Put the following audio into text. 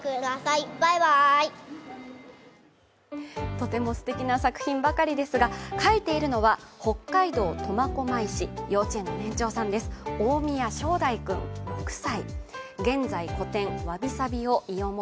とてもすてきな作品ばかりですが描いているのは北海道苫小牧市、幼稚園の年長さんです、大宮正乃君６歳。